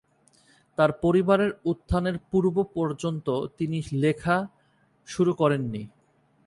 তার পরিবারের উত্থানের পূর্ব-পর্যন্ত তিনি লেখা শুরু করেননি।